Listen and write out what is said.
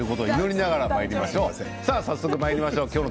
早速まいりましょう。